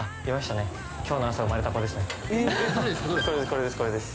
これですこれです。